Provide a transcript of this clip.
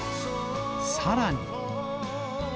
さらに。